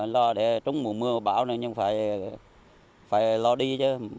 lo để trúng mùa mưa bão nên phải lo đi chứ